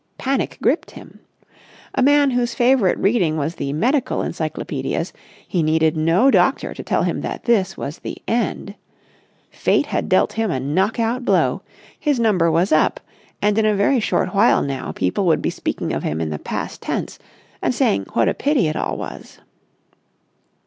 Panic gripped him. A man whose favourite reading was medical encyclopædias, he needed no doctor to tell him that this was the end. Fate had dealt him a knockout blow; his number was up; and in a very short while now people would be speaking of him in the past tense and saying what a pity it all was.